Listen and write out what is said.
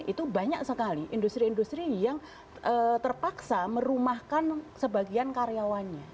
itu banyak sekali industri industri yang terpaksa merumahkan sebagian karyawannya